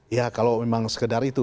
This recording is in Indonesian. ya kalau memang sekedar itu